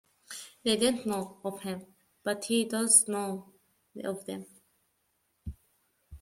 They don't know of him, but he does know of them.